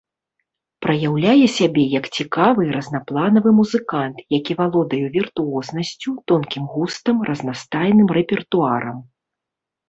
Праяўляе сябе як цікавы і разнапланавы музыкант, які валодае віртуознасцю, тонкім густам, разнастайным рэпертуарам.